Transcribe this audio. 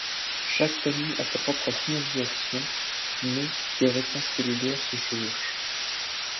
Chaque famille a sa propre signalisation mais les réponses cellulaires se chevauchent.